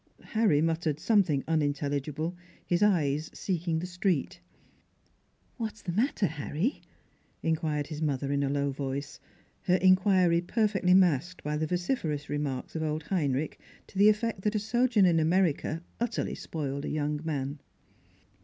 Harry muttered something unintelligible, his eyes seeking the street. 'What's the matter, Harry?" inquired his mother in a low voice, her inquiry perfectly masked by the vociferous remarks of old Hein rich to the effect that a sojourn in America utterly spoiled a young man.